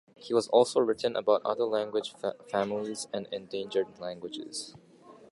He has also written about other language families and endangered languages.